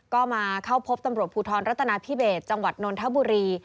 ก็มาเข้าพบตำรวจภูทรรัฐนาธิเบสจังหวัดนนทบุรี